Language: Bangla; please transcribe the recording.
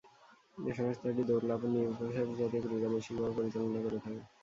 এ সংস্থাটি দৌঁড়, লাফ ও নিক্ষেপজাতীয় ক্রীড়া বৈশ্বিকভাবে পরিচালনা করে থাকে।